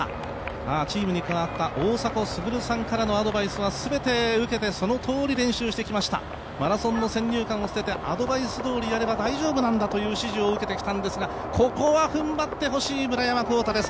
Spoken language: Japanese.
チームに加わった大迫傑さんのアドバイスはすべて受けてそのとおり練習してきました、マラソンの先入観を捨ててアドバイスどおりやれば大丈夫なんだという指示を受けてきたんですが、ここは踏ん張ってほしい村山紘太です。